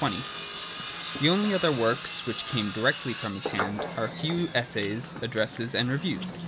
The ' only other works which came directly from his hand are a few essays, addresses, and reviews.